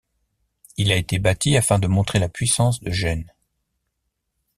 Il a été bâti afin de montrer la puissance de Gênes.